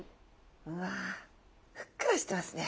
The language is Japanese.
うわふっくらしてますね。